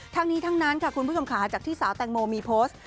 ทั้งนี้ทั้งนั้นค่ะคุณผู้ชมค่ะจากที่สาวแตงโมมีโพสต์